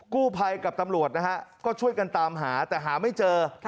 กู้ภัยกับตำรวจนะฮะก็ช่วยกันตามหาแต่หาไม่เจอ